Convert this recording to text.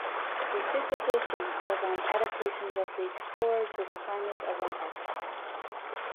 His dissertation was on "Adaptations of the Explorer to the Climate of Antarctic".